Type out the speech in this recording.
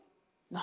何？